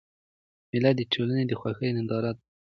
مېلې د ټولني د خوښۍ ننداره ده.